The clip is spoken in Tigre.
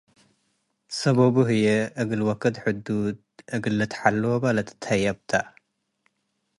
ሰበቡ ህዬ፡ እግል ወክድ ሕዱድ እግል ልትሐሎበ ለትትሀየብ ተ ።